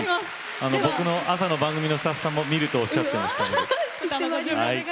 僕の朝の番組のスタッフさんも見るとおっしゃっていましたので。